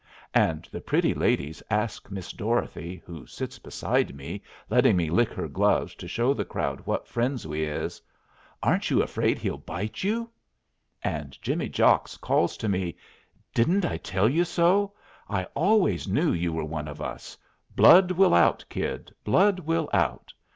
And the pretty ladies ask Miss Dorothy, who sits beside me letting me lick her gloves to show the crowd what friends we is, "Aren't you afraid he'll bite you?" And Jimmy Jocks calls to me, "Didn't I tell you so? I always knew you were one of us. Blood will out, Kid; blood will out.